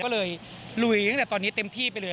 ก็เลยลุยตั้งแต่ตอนนี้เต็มที่ไปเลย